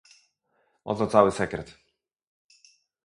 "Oto cały sekret."